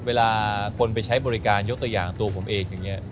เวลาคนไปใช้บริการยกตัวอย่างตัวผมเองอย่างนี้